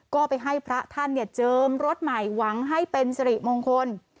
ก็ไปให้พระท่านเจิมรถใหม่หวังให้เป็นสิริมงคล